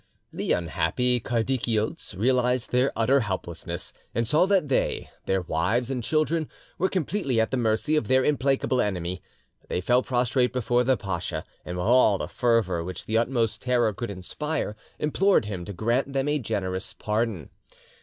The unhappy Kardikiotes realised their utter helplessness, and saw that they, their wives an children, were completely at the mercy of their implacable enemy. They fell prostrate before the pacha, and with all the fervour which the utmost terror could inspire, implored him to grant them a generous pardon.